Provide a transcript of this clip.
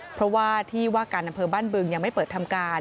เพราะว่าที่ว่าการอำเภอบ้านบึงยังไม่เปิดทำการ